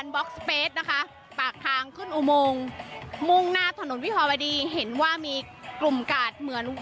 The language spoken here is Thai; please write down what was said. สเปสนะคะปากทางขึ้นอุโมงมุ่งหน้าถนนวิภาวดีเห็นว่ามีกลุ่มกาดเหมือน